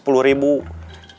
tapi udah dipakai buat beli bensin